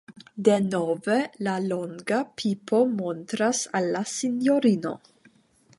Denove la longa pipo montras al la sinjorino.